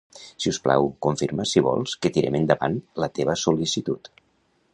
Si us plau, confirma si vols que tirem endavant la teva sol·licitud.